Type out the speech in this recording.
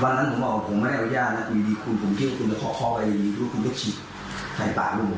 วันนั้นผมบอกว่าผมไม่ได้เอาย่านะอยู่ดีคุณผมเตรียมว่าคุณจะคอกคอไว้อยู่ดีรู้ว่าคุณจะฉีดใส่ปากลูกผมไป